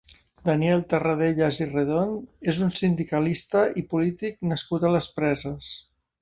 Daniel Terradellas i Redon és un sindicalista i polític nascut a les Preses.